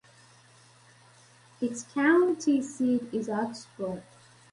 Its county seat is Oxford.